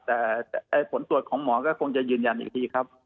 แต่ผลตรวจของหมอก็คงจะยืนยันอีกทีครับ